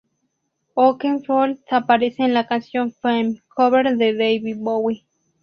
Oakenfold aparece en la canción "Fame", cover de David Bowie.